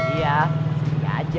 iya sepi aja